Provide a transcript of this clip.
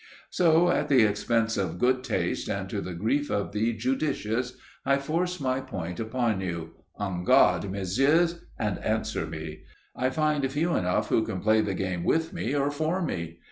So, at the expense of good taste and to the grief of the judicious, I force my point upon you. En garde, messieurs, and answer me! I find few enough who can play the game with me or for me.